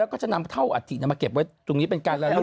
แล้วก็จะนำเท่าอัฐิมาเก็บไว้ตรงนี้เป็นการระลึก